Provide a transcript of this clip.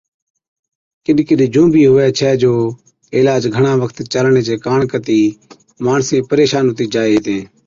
ڪِڏ ڪِڏ جُون بِي هُوَي ڇَي جو عِلاج گھڻا وقت چالڻي چي ڪاڻ ڪتِي ماڻسين پريشان هُتِي جائي هِتين،